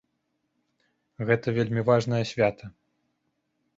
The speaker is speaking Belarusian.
Гэта вельмі важнае свята.